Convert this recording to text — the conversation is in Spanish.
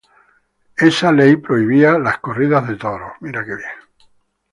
Esa Ley prohibía las corridas de toros.